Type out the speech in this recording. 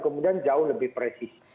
kemudian jauh lebih presis